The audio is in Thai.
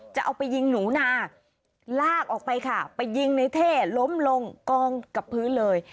จะเอาไปยิงหนูนาลากออกไปค่ะไปยิงในเท่ล้มลงกองกับพื้นเลย